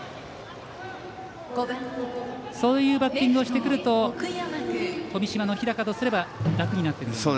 そういうバッティングをしてくると富島の日高とすれば楽になってくるんですか。